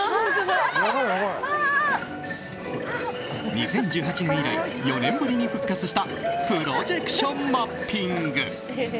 ２０１８年以来４年ぶりに復活したプロジェクションマッピング。